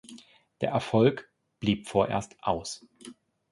Der Erfolg blieb vorerst aus.